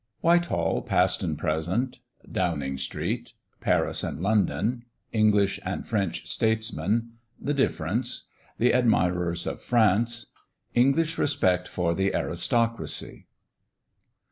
WHITEHALL, PAST AND PRESENT. DOWNING STREET. PARIS AND LONDON. ENGLISH AND FRENCH STATESMEN. THE DIFFERENCE. THE ADMIRERS OF FRANCE. ENGLISH RESPECT FOR THE ARISTOCRACY.